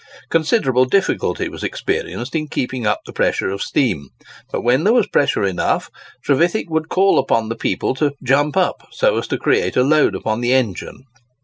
Considerable difficulty was experienced in keeping up the pressure of steam; but when there was pressure enough, Trevithick would call upon the people to "jump up," so as to create a load upon the engine.